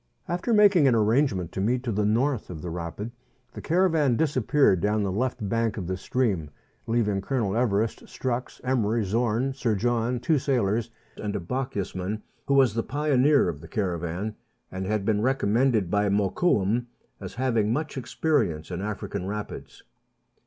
After making an arrangement to meet to the north of the »apid, the caravan disappeared down the left bank of the THREE ENGLISHMEN AND THREE RUSSIANS. 93 Stream, leaving Colonel Everest, Strux, Emery, Zorn, Sir John, two sailors, and a Bochjesman, who was the pioneer of the caravan, and had been recommended by Mokoum as having much experience in African rapids.